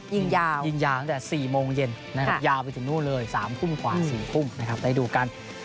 ยิงยาวยิงยาวตั้งแต่๔โมงเย็นนะครับยาวไปถึงนู่นเลย๓ทุ่มกว่า๔ทุ่มนะครับได้ดูกัน